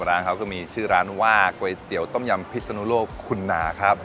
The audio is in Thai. ร้านเขาก็มีชื่อร้านว่าก๋วยเตี๋ยวต้มยำพิศนุโลกคุณหนาครับ